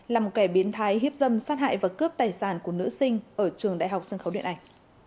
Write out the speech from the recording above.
làm kẻ biến thái hiếp dâm sát hại và cướp tài sản của nữ sinh ở trường đại học sân khấu điện ảnh